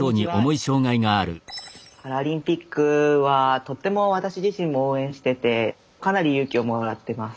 パラリンピックはとっても私自身も応援しててかなり勇気をもらっています。